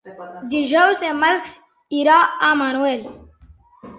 Dijous en Max irà a Manuel.